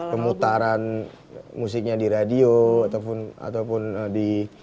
kemutaran musiknya di radio ataupun ataupun di